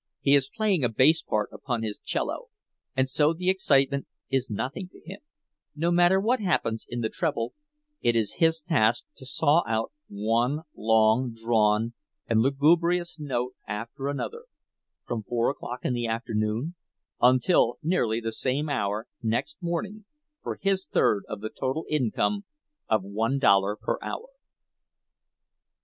He is playing a bass part upon his cello, and so the excitement is nothing to him; no matter what happens in the treble, it is his task to saw out one long drawn and lugubrious note after another, from four o'clock in the afternoon until nearly the same hour next morning, for his third of the total income of one dollar per hour.